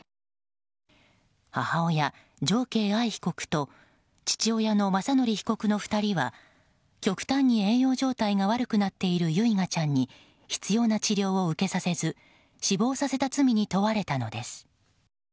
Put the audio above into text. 母親・常慶藍被告と父親の雅則被告の２人は極端に栄養状態が悪くなっている唯雅ちゃんに必要な治療を受けさせず死亡させた罪に問われたのです。